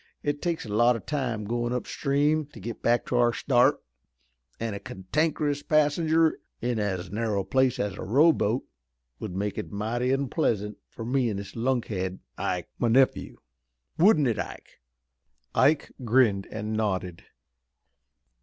"It takes a lot o' time, goin' up stream, to get back to our start, an' a cantankerous passenger in as narrow a place as a rowboat would make it mighty onpleasant for me an' this lunkhead, Ike, my nephew. Wouldn't it, Ike?" Ike grinned and nodded.